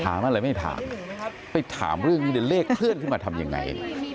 ถามอะไรไม่ถามไปถามเรื่องนี้เดี๋ยวเลขเคลื่อนขึ้นมาทำยังไง